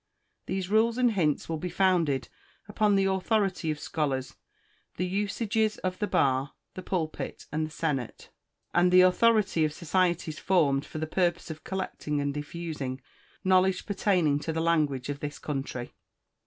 These Rules and Hints will be founded upon the authority of scholars, the usages of the bar, the pulpit, and the senate, and the authority of societies formed for the purpose of collecting and diffusing knowledge pertaining to the language of this country.